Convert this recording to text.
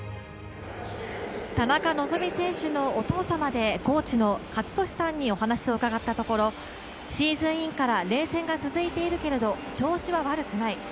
田中希実選手のお父様でコーチの健智さんにお話を伺ったところシーズンインから連戦が続いているけれども、調子は悪くない。